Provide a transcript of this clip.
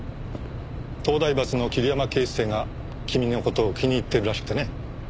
東大閥の桐山警視正が君の事を気に入っているらしくてね。